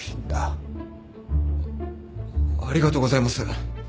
ありがとうございます。